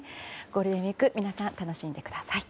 ゴールデンウィーク皆さん、楽しんでください。